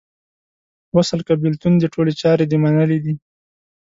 وصل که بیلتون دې ټولي چارې دې منلې دي